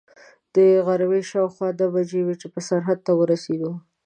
د غرمې شاوخوا دوې بجې وې چې سرحد ته ورسېدو.